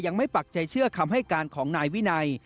ปักใจเชื่อคำให้การของนายวินัย